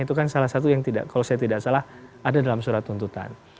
itu kan salah satu yang kalau saya tidak salah ada dalam surat tuntutan